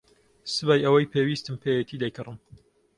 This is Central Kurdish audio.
سبەی ئەوەی پێویستم پێیەتی دەیکڕم.